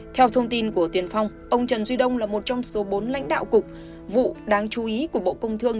theo thông tin của tiền phong ông trần duy đông là một trong số bốn lãnh đạo cục vụ đáng chú ý của bộ công thương